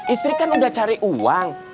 istri kan udah cari uang